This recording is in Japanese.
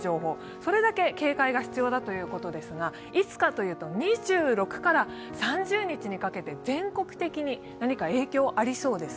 それだけ警戒が必要だということですが、いつかというと２６から３０日にかけて全国的に何か影響ありそうです。